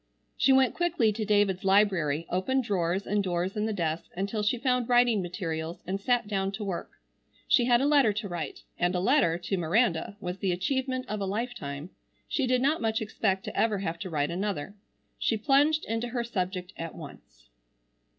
She went quickly to David's library, opened drawers and doors in the desk until she found writing materials, and sat down to work. She had a letter to write, and a letter, to Miranda, was the achievement of a lifetime. She did not much expect to ever have to write another. She plunged into her subject at once.